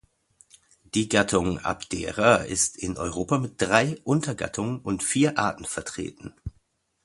Die Gattung "Abdera" ist in Europa mit drei Untergattungen und vier Arten vertreten.